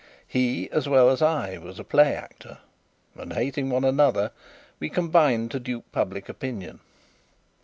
He, as well as I, was a "play actor", and, hating one another, we combined to dupe public opinion.